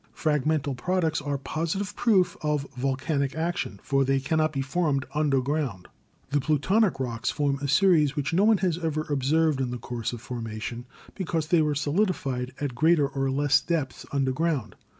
Fragmental products are positire proof of vol canic action, for they cannot be formed underground. 172 GEOLOGY The Plutonic Rocks form a series which no one has ever observed in the course of formation, because they were solidified at greater or less depths underground.